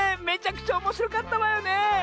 めちゃくちゃおもしろかったわよねえ。